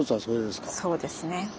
そうですね。